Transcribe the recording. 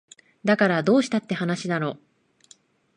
だからどうしたって話だろ